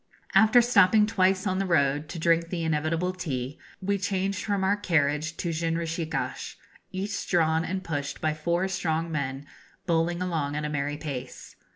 After stopping twice on the road, to drink the inevitable tea, we changed from our carriage to jinrikishas, each drawn and pushed by four strong men, bowling along at a merry pace.